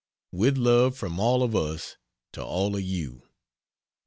With love from all of us to all of you.